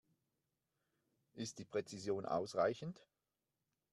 Ist die Präzision ausreichend?